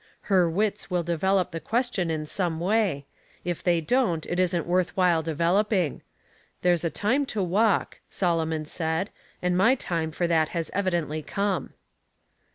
Her wits will de velop the question in some way ; if they don't it isn't worth while developing. ' There's a time to walk,' Solomon said, and my time for that has evidently come."